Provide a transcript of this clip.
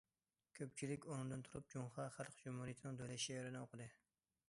كۆپچىلىك ئورنىدىن تۇرۇپ، جۇڭخۇا خەلق جۇمھۇرىيىتىنىڭ دۆلەت شېئىرىنى ئوقۇدى.